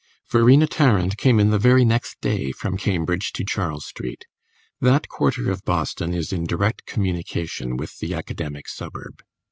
X Verena Tarrant came in the very next day from Cambridge to Charles Street; that quarter of Boston is in direct communication with the academic suburb.